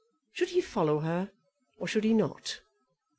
Should he follow her or should he not?